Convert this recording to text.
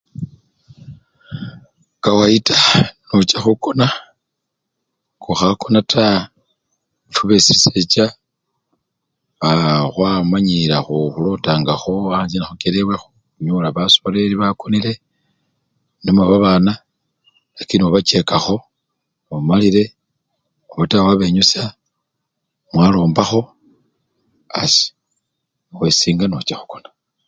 kawaita, nochakhukona, ngokhakona taa fwe besisecha, aa! khwamanyilila aa! khulotangakho anjje nekhuchelewelekho khunyola basoleli nga bakonile namwe babana lakini obachekakho nomalile obata wabenyusya mwalombakho asii wesinga nocha khukona.